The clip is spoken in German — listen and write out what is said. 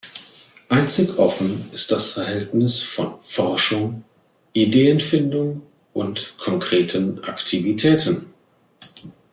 Einzig offen ist das Verhältnis von Forschung, Ideenfindung und konkreten Aktivitäten.